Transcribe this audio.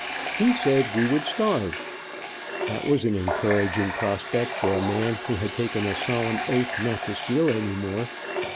He said we would starve. That was an encouraging prospect for a man who had taken a solemn oath not to steal any more.